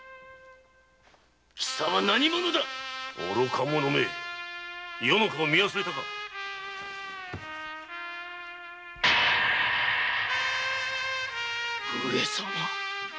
貴様何者だ愚か者め余の顔を見忘れたか上様。